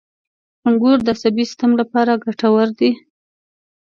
• انګور د عصبي سیستم لپاره ګټور دي.